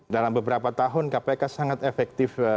dalam beberapa tahun kpk sangat efektif